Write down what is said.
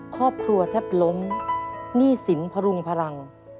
ครอบครัวแทบล้มหนี้สินพรุงพลัง